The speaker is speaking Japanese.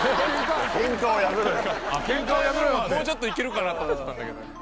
もうちょっといけるかなと思ったんだけど。